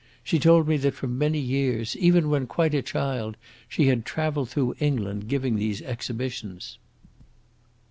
She told me that for many years, even when quite a child, she had travelled through England giving these exhibitions."